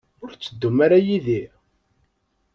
Ur tetteddum ara yid-i?